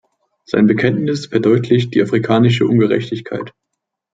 Sein Bekenntnis verdeutlicht die afrikanische Ungerechtigkeit.